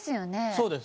そうです。